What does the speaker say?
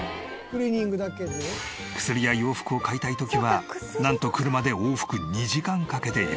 薬や洋服を買いたい時はなんと車で往復２時間かけている。